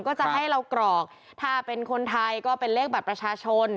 ก็จะให้เรากรอกถ้าเป็นคนไทยก็เป็นเลขบัตรประชาชน